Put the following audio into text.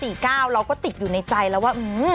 เราก็ติดอยู่ในใจแล้วว่า